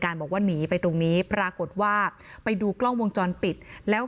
บอกว่าหนีไปตรงนี้ปรากฏว่าไปดูกล้องวงจรปิดแล้ว